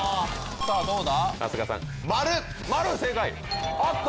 さぁどうだ？